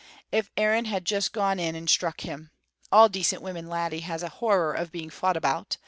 If Aaron had just gone in and struck him! All decent women, laddie, has a horror of being fought about.